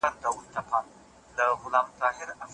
د بدیع علم باید په پوهنتون کي تدریس سي.